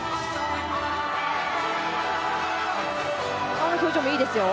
顔の表情もいいですよ。